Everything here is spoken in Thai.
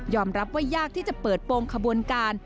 รับว่ายากที่จะเปิดโปรงขบวนการ